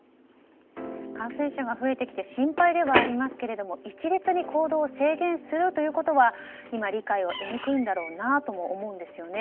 感染者が増えてきて心配ではありますけども一律に行動を制限するということは今、理解を得にくいんだろうなと思いますね。